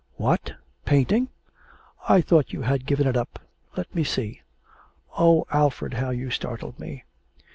'What! painting? I thought you had given it up. Let me see.' 'Oh, Alfred, how you startled me!'